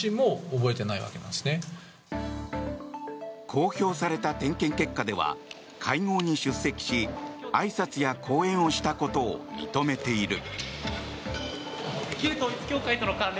公表された点検結果では会合に出席しあいさつや講演をしたことを認めている。